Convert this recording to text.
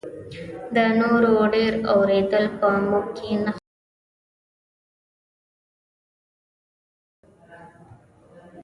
د نورو ډېر اورېدل په موږ کې نښه ګڼلی شي.